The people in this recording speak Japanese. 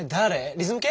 リズム系？